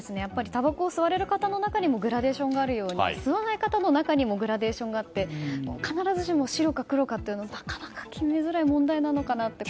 たばこを吸われる方にもグラデーションがあるように吸わない方の中にもグラデーションがあって必ずしも白か黒かというのは決めずらい問題なのかなと。